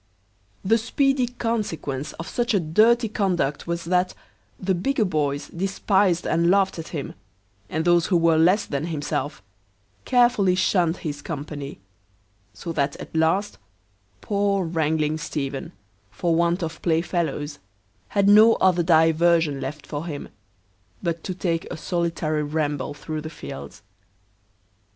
The speedy consequence of such a dirty conduct was, that the bigger boys despised and laughed at him, and those who were less than himself, carefully shunned his company; so that at last poor wrangling Stephen, for want of play fellows, had no other diversion left for him, but to take a solitary ramble through the fields.